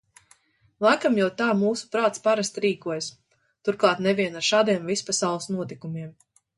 Laikam jau tā mūsu prāts parasti rīkojas, turklāt ne vien ar šādiem vispasaules notikumiem.